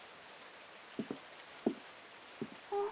あっ。